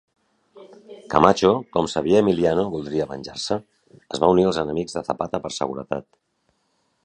Camacho, com sabia Emiliano voldria venjar-se, es va unir als enemics de Zapata per seguretat.